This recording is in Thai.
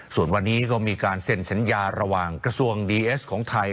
ส่วนวันนี้ก็มีการเซ็นสัญญาระหว่างกระทรวงดีเอสของไทย